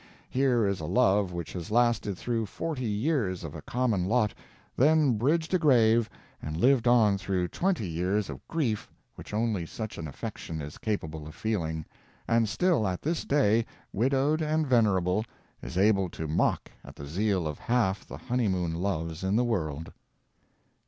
Here is a love which has lasted through forty years of a common lot, then bridged a grave and lived on through twenty years of grief which only such an affection is capable of feeling—and still, at this day, widowed and venerable, is able to mock at the zeal of half the honeymoon loves in the world.